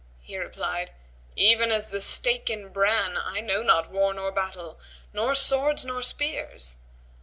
He replied, "Even as the stake in bran, I know not war nor battle, nor swords nor spears."